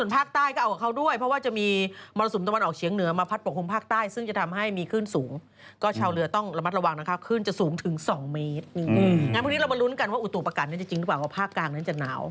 พิกัดว่าอุตถุประกันนั้นจะจริงดีกว่าว่าภาคกลางนั้นจะหนาว